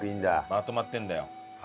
まとまってるんだよ。